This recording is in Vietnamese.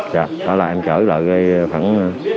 đó là em chở lại đây khoảng